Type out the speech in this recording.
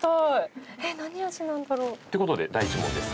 何味なんだろう？という事で第１問です。